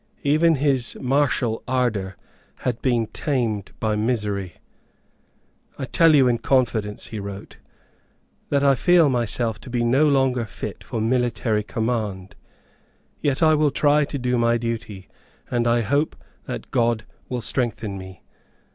Even his martial ardour had been tamed by misery. "I tell you in confidence," he wrote, "that I feel myself to be no longer fit for military command. Yet I will try to do my duty; and I hope that God will strengthen me."